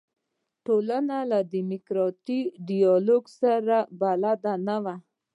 ټولنه له دیموکراتیک ډیالوګ سره بلده نه ده.